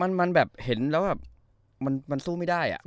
เออมันเห็นแล้วแบบมันสู้ไม่ได้